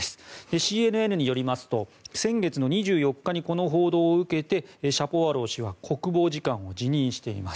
ＣＮＮによりますと先月の２４日にこの報道を受けてシャポワロウ氏は国防次官を辞任しています。